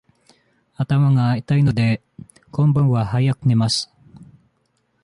頭が痛いので、今晩は早く寝ます。